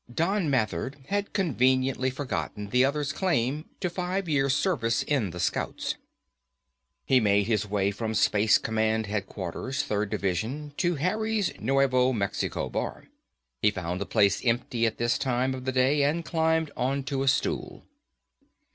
Don Mathers had conveniently forgotten the other's claim to five years' service in the Scouts. He made his way from Space Command Headquarters, Third Division, to Harry's Nuevo Mexico Bar. He found the place empty at this time of the day and climbed onto a stool.